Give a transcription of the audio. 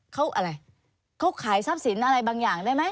เขาอะไรเขาขายทรัพย์สินอะไรบางอย่างได้ไหม